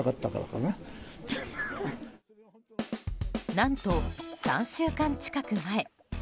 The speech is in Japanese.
何と、３週間近く前。